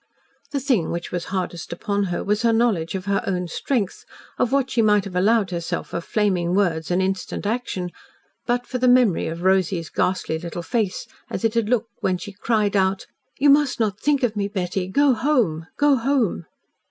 The thing which was hardest upon her was her knowledge of her own strength of what she might have allowed herself of flaming words and instant action but for the memory of Rosy's ghastly little face, as it had looked when she cried out, "You must not think of me. Betty, go home go home!"